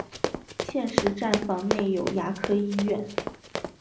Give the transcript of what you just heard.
现时站房内有牙科医院。